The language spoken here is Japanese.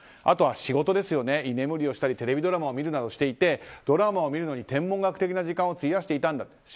あとは仕事、居眠りをしたりテレビドラマを見るなどしていてドラマを見るのに天文学的な時間を費やしていたんだと。